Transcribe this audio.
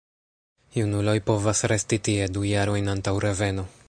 Junuloj povas resti tie du jarojn antaŭ reveno.